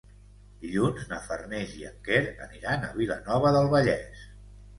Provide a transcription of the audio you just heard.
Dilluns na Farners i en Quer aniran a Vilanova del Vallès.